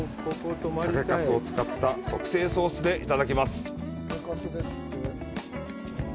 酒粕を使った特製ソースでいただきます。